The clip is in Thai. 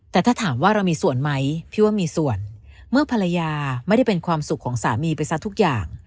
แต่ถ้าถามว่าเรามีส่วนไหมพี่ว่ามีส่วนเมื่อภรรยาไม่ได้เป็นความสุขของสามีไปซะทุกอย่าง